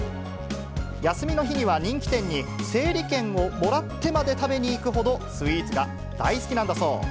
休みの日には人気店に、整理券をもらってまで食べに行くほど、スイーツが大好きなんだそう。